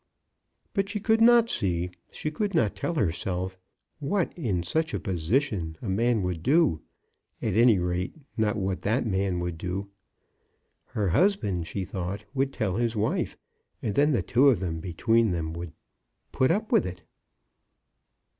But she could not see, she could not tell her self, what in such a position a man would do ; at any rate, not what that man would do. Her husband, she thought, would tell his wife, and then the two of them, between them, would — put up with it.